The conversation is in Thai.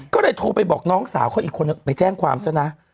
ก็เลยโทรไปบอกน้องสาวเขาอีกคนไปแจ้งความซะนะ